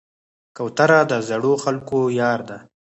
کوتره د زړو خلکو یار ده.